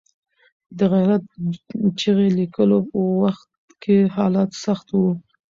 د غیرت چغې لیکلو وخت کې حالات سخت وو.